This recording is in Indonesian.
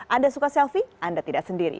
anda suka selfie anda tidak sendiri